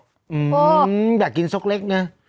อื้ออยากกินซอกเล็กเนี่ย